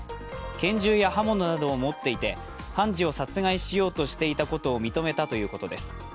拳銃や刃物などを持っていて判事を殺害しようとしていたことを認めたということです。